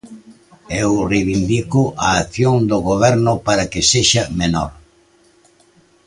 E eu reivindico a acción do Goberno para que sexa menor.